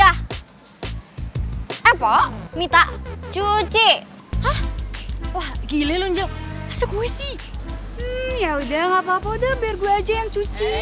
hmm yaudah gapapa udah biar gue aja yang cuci